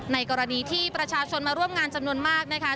กรณีที่ประชาชนมาร่วมงานจำนวนมากนะคะ